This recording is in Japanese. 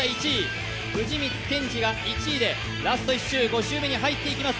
藤光謙司が１位でラスト１周に入ってきます。